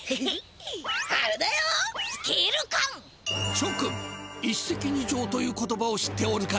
しょ君一石二鳥という言葉を知っておるかね？